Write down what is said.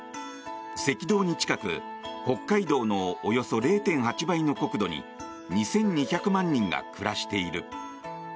赤道に近く北海道のおよそ０．８倍の国土に２２００万人が暮らしている。